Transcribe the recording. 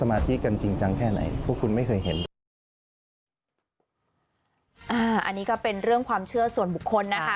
อันนี้ก็เป็นเรื่องความเชื่อส่วนบุคคลนะคะ